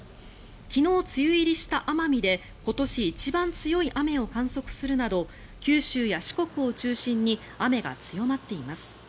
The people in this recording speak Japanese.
昨日、梅雨入りした奄美で今年一番強い雨を観測するなど九州や四国を中心に雨が強まっています。